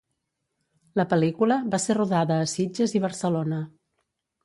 La pel·lícula va ser rodada a Sitges i Barcelona.